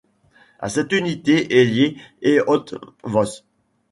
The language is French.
À cette unité est liée l'eotvos.